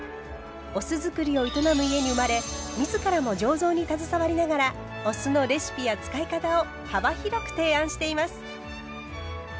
お酢造りを営む家に生まれ自らも醸造に携わりながらお酢のレシピや使い方を幅広く提案しています。